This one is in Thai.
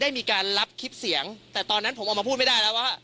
มีการรับคลิปเสียงแต่ตอนนั้นผมออกมาพูดไม่ได้แล้วว่า